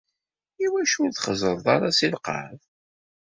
Iwacu ur txeẓẓreḍ ara seg lqerb?